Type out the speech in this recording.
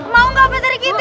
mau gak pasri kiti